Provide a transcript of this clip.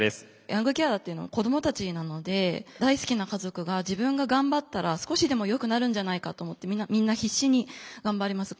ヤングケアラーっていうのは子どもたちなので大好きな家族が自分が頑張ったら少しでもよくなるんじゃないかと思ってみんな必死に頑張ります。